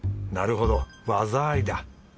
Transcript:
なるほど技ありだ！